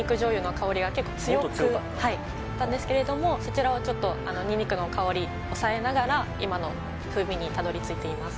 はいだったんですけれどもそちらをちょっとニンニクの香り抑えながら今の風味にたどり着いています